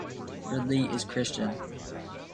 Ridley is Christian.